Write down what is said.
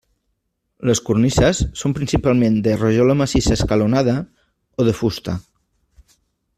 Les cornises són principalment de rajola massissa escalonada o de fusta.